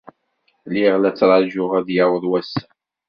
Lliɣ la ttṛajuɣ ad d-yaweḍ wass-a.